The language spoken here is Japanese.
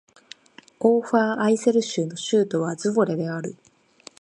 オーファーアイセル州の州都はズヴォレである